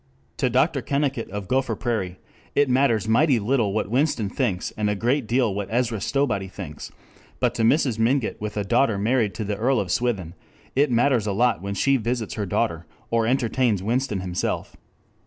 To Dr. Kennicott of Gopher Prairie it matters mighty little what Winston thinks and a great deal what Ezra Stowbody thinks, but to Mrs. Mingott with a daughter married to the Earl of Swithin it matters a lot when she visits her daughter, or entertains Winston himself.